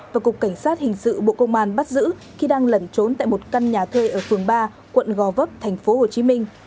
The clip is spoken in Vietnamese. và cục cảnh sát hình sự bộ công an bắt giữ khi đang lẩn trốn tại một căn nhà thuê ở phường ba quận gò vấp thành phố hồ chí minh